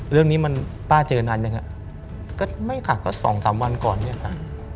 เรื่องนี้มันป้าเจอนานยังอ่ะก็ไม่ค่ะก็สองสามวันก่อนเนี่ยค่ะ